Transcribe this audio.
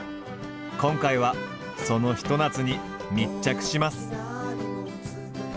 今回はそのひと夏に密着します。